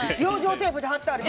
テープで貼ってある。